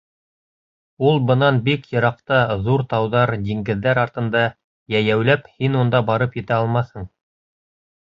— Ул бынан бик йыраҡта, ҙур тауҙар, диңгеҙҙәр артында, йәйәүләп һин унда барып етә алмаҫһың.